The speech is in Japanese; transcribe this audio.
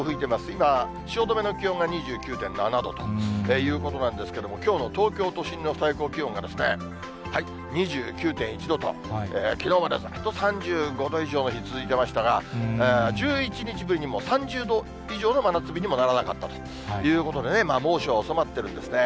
今、汐留の気温が２９．７度ということなんですけども、きょうの東京都心の最高気温が２９．１度と、きのうまでずっと３５度以上の日、続いてましたが、１１日ぶりに３０度以上の真夏日にもならなかったということで、猛暑は収まってるんですね。